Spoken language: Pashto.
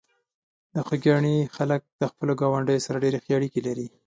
د خوږیاڼي خلک د خپلو ګاونډیو سره ډېرې ښې اړیکې لري.